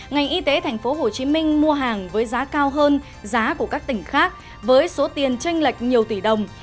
ngành y tế tp hcm mua hàng với giá cao hơn giá của các tỉnh khác với số tiền tranh lệch nhiều tỷ đồng